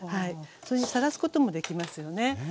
それにさらすこともできますよね。